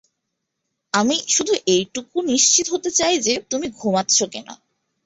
আমি শুধু এটুকু নিশ্চিত হতে চাই যে, তুমি ঘুমাচ্ছো কিনা।